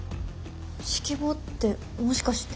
指揮棒ってもしかして。